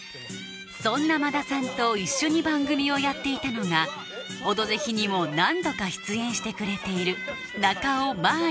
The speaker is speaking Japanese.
そんな馬田さんと一緒に番組をやっていたのが「オドぜひ」にも何度か出演してくれている中尾真亜